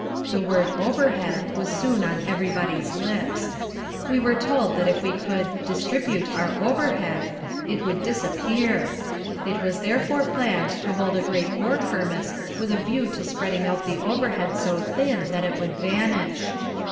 The word "overhead" was soon on everybody's lips. We were told that if we could "distribute our overhead" it would disappear. It was therefore planned to hold a great War Kermesse with a view to spreading out the overhead so thin that it would vanish.